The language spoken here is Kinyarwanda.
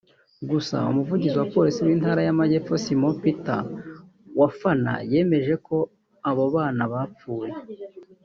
Gusa umuvugizi wa Polisi y’Intara y’Amajyepfo Simon Peter Wafana yemejeko abo bana bafpuye